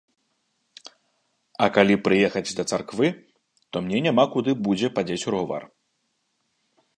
А калі прыехаць да царквы, то мне няма куды будзе падзець ровар.